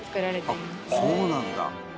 「あっそうなんだ」